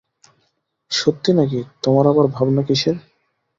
সত্যি নাকি, তোমার আবার ভাবনা কিসের?